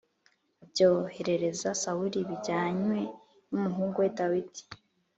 abyoherereza Sawuli bijyanywe n’umuhungu we Dawidi.